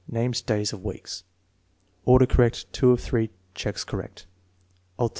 Names days of week. (Order correct. 2 of 3 checks correct.) Al. .